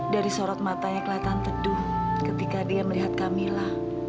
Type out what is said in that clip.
dari sorot matanya kelihatan teduh ketika dia melihat camilla